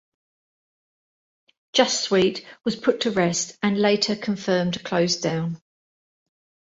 "JustSweet" was put to rest, and later confirmed closed down.